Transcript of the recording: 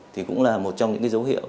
thì cũng là một trong những cái dấu hiệu